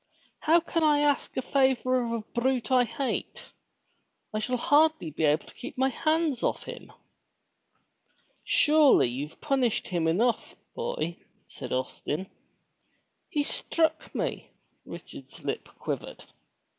How can I ask a favor of a brute I hate? I shall hardly be able to keep my hands off him." Surely you've punished him enough, boy," said Austin. ''He struck me!" Richard's lip quivered.